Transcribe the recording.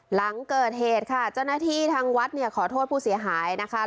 หลังเกิดเหตุค่ะเจ้าหน้าที่ทางวัดเนี่ยขอโทษผู้เสียหายนะคะ